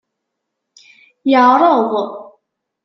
Yeɛreḍ.